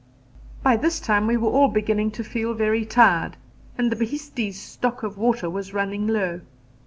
By this time we were all beginning to feel very tired, and the bhisti's stock of water was running low.